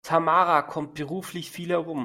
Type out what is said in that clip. Tamara kommt beruflich viel herum.